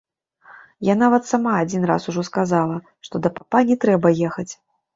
Я нават сама адзін раз ужо сказала, што да папа не трэба ехаць.